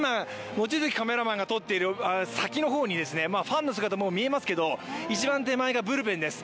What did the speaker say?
今、カメラマンが撮っている先の方にファンの姿、見えますけど一番手前がブルペンです。